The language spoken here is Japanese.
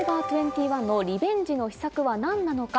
２１のリベンジの秘策は何なのか。